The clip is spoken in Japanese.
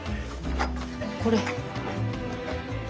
これ。